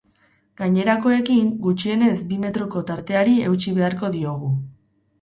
Gainerakoekin, gutxienez bi metroko tarteari eutsi beharko diogu.